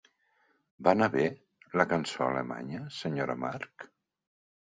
Va anar bé, la cançó alemanya, senyora March?